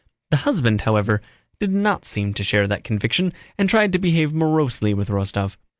The husband, however, did not seem to share that conviction and tried to behave morosely with Rostóv.